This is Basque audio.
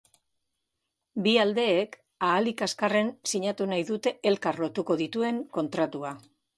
Bi aldeek ahalik azkarren sinatu nahi dute elkar lotuko dituen kontratua.